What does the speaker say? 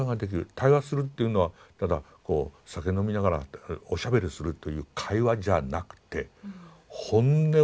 対話するというのはただこう酒飲みながらおしゃべりするという会話じゃなくて本音を申し上げる。